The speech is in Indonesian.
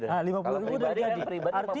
kalau pribadi kan pribadi lima puluh ribu sudah jadi